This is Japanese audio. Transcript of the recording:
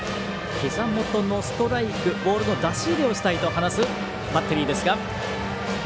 膝元のストライクボールの出し入れをしたいと話すバッテリーです。